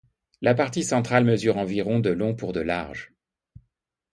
La partie centrale mesure environ de long pour de large.